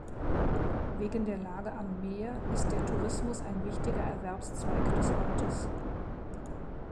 Wegen der Lage am Meer ist der Tourismus ein wichtiger Erwerbszweig des Ortes.